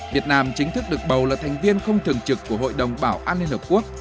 việt nam chính thức được bầu là thành viên không thường trực của hội đồng bảo an liên hợp quốc